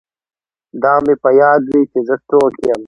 دا مې په یاد وي چې زه څوک یم